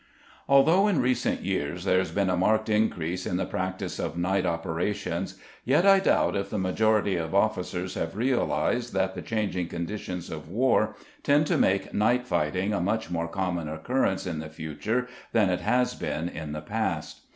Although in recent years there has been a marked increase in the practice of night operations, yet I doubt if the majority of officers have realized that the changing conditions of war tend to make night fighting a much more common occurrence in the future than it has been in the past.